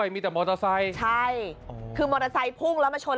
มอเตอร์ไซส์ชน